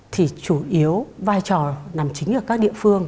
thì chủ yếu vai trò nằm chính ở các địa phương